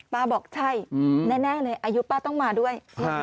บอกใช่แน่เลยอายุป้าต้องมาด้วย